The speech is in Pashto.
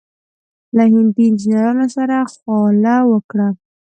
له هندي انجنیرانو سره خواله وکړه.